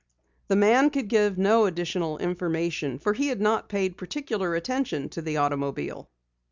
The man could give no additional information, for he had not paid particular attention to the automobile.